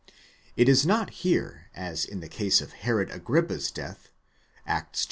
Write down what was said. It is not here as in the case of Herod Agrippa's death, Acts xii.